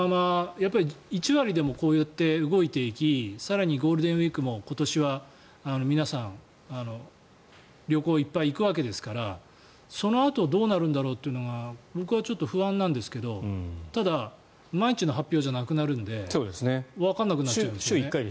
１割でもこうやって動いていき更にゴールデンウィークも今年は皆さん、旅行にいっぱい行くわけですからそのあとどうなるんだろうというのが僕はちょっと不安なんですがただ毎日の発表じゃなくなるのでわからなくなっちゃいますよね。